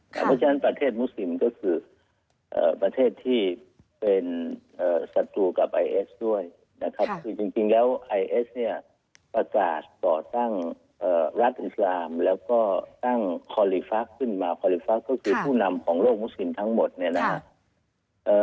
เพราะฉะนั้นประเทศมุสซิมก็คือประเทศที่เป็นศัตรูกับไอเอสด้วยนะครับคือจริงแล้วไอเอสเนี่ยประกาศก่อตั้งรัฐอิสลามแล้วก็ตั้งคอลลีฟักขึ้นมาคอลิฟักก็คือผู้นำของโลกมุสินทั้งหมดเนี่ยนะครับ